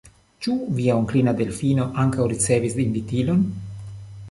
Ĉu via onklino Delfino ankaŭ ricevis invitilon?